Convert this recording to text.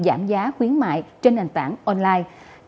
giảm giá khuyến mại trên nền tảng online